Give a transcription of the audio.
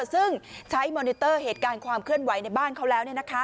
ซึ่งใช้มอนิเตอร์เหตุการณ์ความเคลื่อนไหวในบ้านเขาแล้ว